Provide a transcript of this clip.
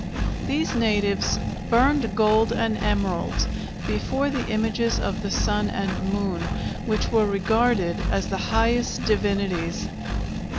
These natives "burned gold and emeralds" before the images of the sun and moon, which were regarded as the highest divinities.